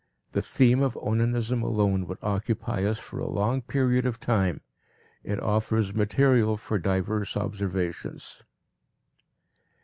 The theme of onanism alone would occupy us for a long period of time; it offers material for diverse observations.